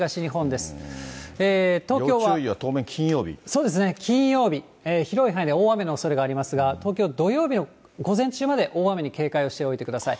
そうですね、金曜日、広い範囲で大雨のおそれがありますが、東京は土曜日の午前中まで大雨に警戒をしておいてください。